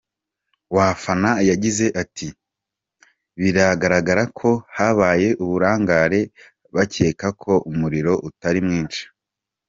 Wafana yagize ati : “Biragaragara ko habaye uburangare bakeka ko umuriro utari mwinshi”.